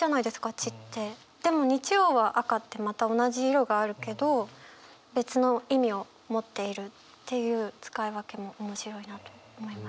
でも日曜は「赤」ってまた同じ色があるけど別の意味を持っているっていう使い分けも面白いなと思いました。